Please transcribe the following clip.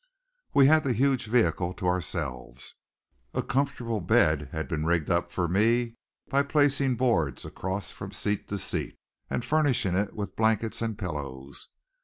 We had the huge vehicle to ourselves. A comfortable bed had been rigged up for me by placing boards across from seat to seat, and furnishing it with blankets and pillows.